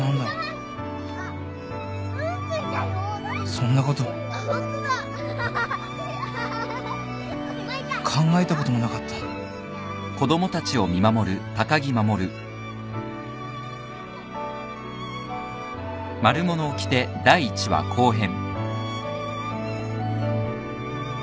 そんなこと考えたこともなかったじゃしり取り。